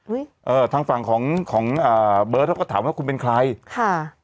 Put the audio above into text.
เอ่อทางฝั่งของของอ่าเบิร์ตเขาก็ถามว่าคุณเป็นใครค่ะ